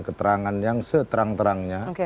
keterangan yang seterang terangnya